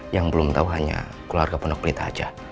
yang belum tau hanya keluarga pun aku minta aja